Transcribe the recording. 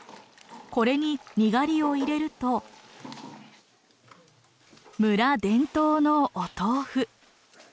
これににがりを入れると村伝統のお豆腐。